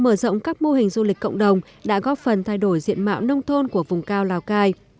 mở rộng các mô hình du lịch cộng đồng đã góp phần thay đổi diện mạo nông thôn của vùng cao lào cai